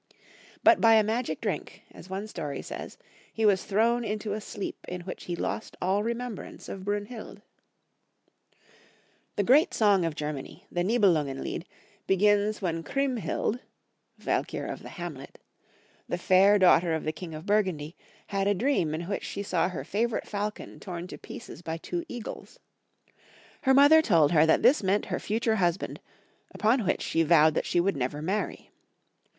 But by a magic drink, as one story says, he was thrown into a sleep in which he lost all remem* brance of Brunhild. The great song of Germany, the Nihelungen lied^ begins when ChriemhUd,! the fair daughter of the king of Burgundy, had a dream in which she saw her favorite falcon torn to pieces by two eagles. Her mother told her that this meant her future hus band, upon which she vowed that she would never marry.